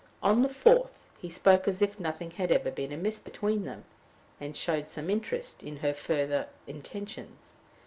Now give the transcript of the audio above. On the fourth, he spoke as if nothing had ever been amiss between them, and showed some interest in her further intentions.